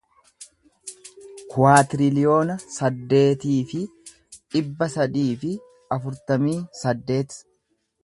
kuwaatiriliyoona saddeetii fi dhibba sadii fi afurtamii saddeet